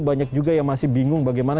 banyak juga yang masih bingung bagaimana